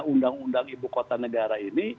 undang undang ibu kota negara ini